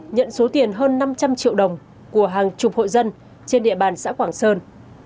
nhận số tiền hơn năm trăm linh triệu đồng của hàng chục hội dân trên địa bàn xã quảng sơn